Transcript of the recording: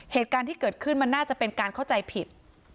เหตุการณ์ที่เกิดขึ้นมันน่าจะเป็นการเข้าใจผิด